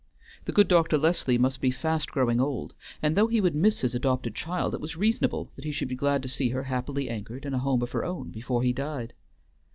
The good Dr. Leslie must be fast growing old, and, though he would miss his adopted child, it was reasonable that he should be glad to see her happily anchored in a home of her own, before he died.